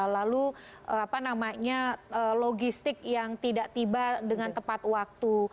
lalu logistik yang tidak tiba dengan tepat waktu